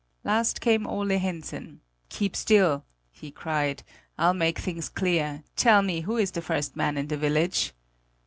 Last came Ole Hensen: 'Keep still!' he cried; 'I'll make things clear: tell me, who is the first man in the village?'